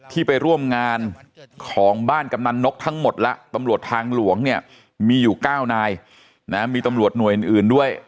ที่ไปร่วมงานของบ้านกำนันนกทั้งหมดแล้วตำรวจทางหลวงเนี่ยมีอยู่๙นายนะมีตำรวจหน่วยอื่นด้วย